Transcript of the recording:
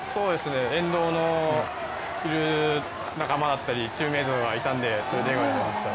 沿道に仲間だったりチームメートがいたんで、それでいけました。